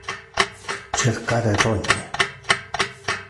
Cercare rogne.